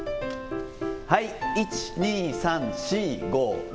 １、２、３、４、５、６